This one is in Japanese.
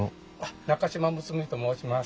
中島睦巳と申します。